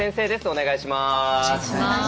お願いします。